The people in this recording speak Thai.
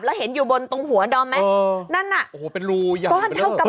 แล้วเห็นอยู่บนตรงหัวดอมไหมนั่นน่ะโอ้โหเป็นรูอย่างเบลอ